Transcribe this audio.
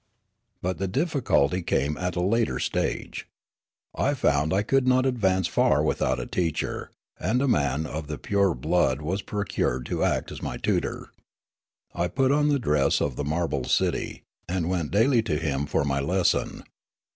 But the difficulty came at a later stage. I found I could not advance far without a teacher, and a man of the purer blood was procured to act as my tutor. I put on the dress of the marble city, and went daily to him for my lesson.